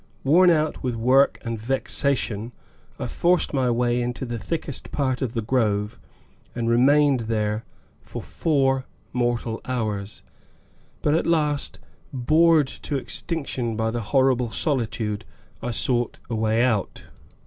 Worn out with work and vexation, I forced my way into the thickest part of the grove and remained there for four mortal hours, but at last, bored to extinction by the horrible solitude, I sought a way out.